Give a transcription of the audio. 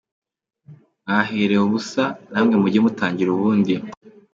Mwaherewe ubusa, namwe mujye mutangira ubundi.